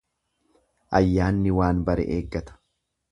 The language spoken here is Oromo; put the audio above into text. Ayyaanni waan bare eeggata.